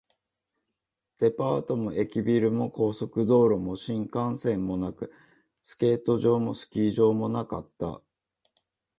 デパートも駅ビルも、高速道路も新幹線もなく、スケート場もスキー場もなかった